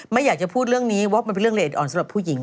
ไม่อยากจะพูดเรื่องนี้ว่ามันเป็นเรื่องละเอียดอ่อนสำหรับผู้หญิง